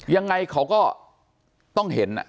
ยังไงเขาก็ต้องเห็น